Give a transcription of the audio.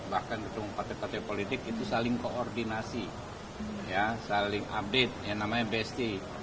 bahkan ketua partai partai politik itu saling koordinasi saling update yang namanya besti